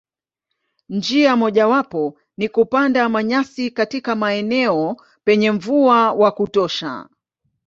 Njia mojawapo ni kupanda manyasi katika maeneo penye mvua wa kutosha.